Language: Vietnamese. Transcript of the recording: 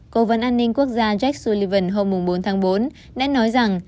cố vấn an ninh quốc gia jek sullivan hôm bốn tháng bốn đã nói rằng